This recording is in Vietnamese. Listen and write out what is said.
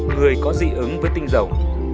người có dị ứng với tinh dầu